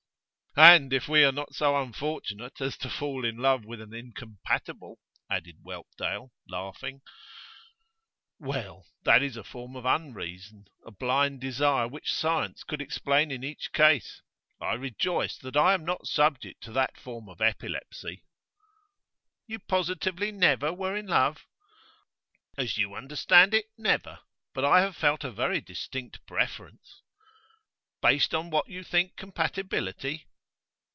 'And if we are not so unfortunate as to fall in love with an incompatible,' added Whelpdale, laughing. 'Well, that is a form of unreason a blind desire which science could explain in each case. I rejoice that I am not subject to that form of epilepsy.' 'You positively never were in love!' 'As you understand it, never. But I have felt a very distinct preference.' 'Based on what you think compatibility?